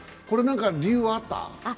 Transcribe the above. これは理由はあった？